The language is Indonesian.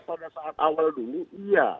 pada saat awal dulu iya